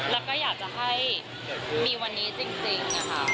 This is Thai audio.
เราก็อยากจะให้มีวันนี้จริงนะคะ